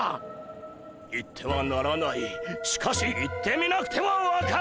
行ってはならないしかし行ってみなくては分からない。